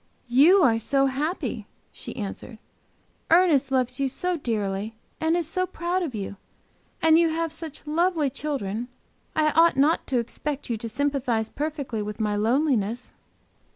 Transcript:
"You are so happy," she answered. "Ernest loves you so dearly, and is so proud of you, and you have such lovely children! I ought not to expect you to sympathize perfectly with my loneliness."